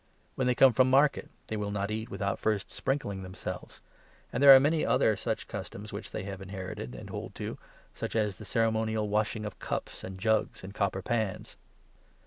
When they come from market, they will not eat 4 without first sprinkling themselves ; and there are many other customs which they have inherited and hold to, such as the ceremonial washing of cups, and jugs, and copper pans).